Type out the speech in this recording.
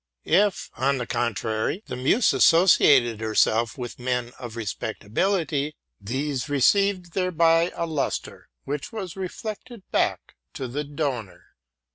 If, on the contrary, the Muse associated herself with men of respectability, these received thereby a lustre which was reflected back to the donor.